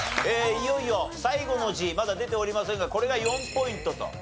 いよいよ最後の字まだ出ておりませんがこれが４ポイントと。